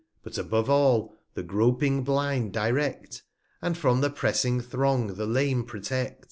But above all, the groaping Blind direft, 51 And from the pressing Throng the Lame protect.